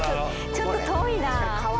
ちょっと遠いな。